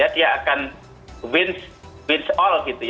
dia akan win all gitu